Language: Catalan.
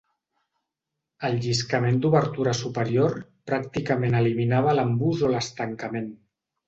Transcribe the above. El lliscament d'obertura superior pràcticament eliminava l'embús o l'estancament.